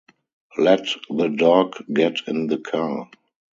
Let the dog get in the car.